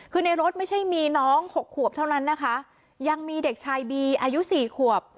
คือในรถไม่ใช่มีน้องหกขวบเท่านั้นนะคะยังมีเด็กชายบีอายุสี่ขวบ